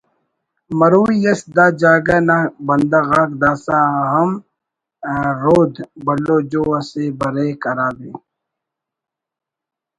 مروئی ئس دا جاگہ نا بندغ آک داسہ ہم رود (بھلو جو اسے بریک ہرادے